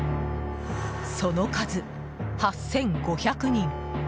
その数、８５００人。